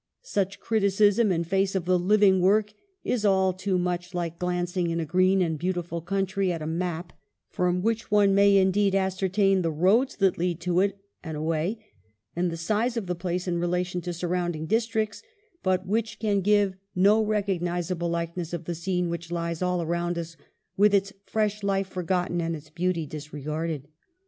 Such criticism, in face of the living work, is all too much like glancing in a green and beautiful country at a map, from which one may, indeed, ascertain the roads that lead to it and away, and the size of the place in relation to surrounding districts, but which can give no recognizable likeness of the scene which lies all round us, with its fresh life forgotten and its beauty disregarded.